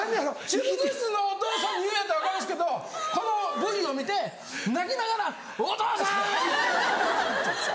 手術室のお父さんに言うんやったら分かるんですけどこの部位を見て泣きながら「お父さん！」。